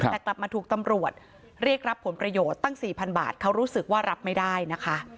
แต่กลับมาถูกตำรวจเรียกรับผลประโยชน์ตั้ง๔๐๐บาทเขารู้สึกว่ารับไม่ได้นะคะ